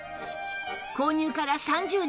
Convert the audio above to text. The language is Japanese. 購入から３０年